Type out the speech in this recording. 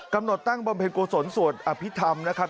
กำหนดตั้งบรรเภกุสวรรค์สวดอภิษฐรรมนะครับ